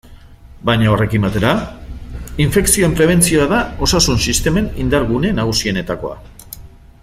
Baina horrekin batera, infekzioen prebentzioa da osasun-sistemen indar-gune nagusietakoa.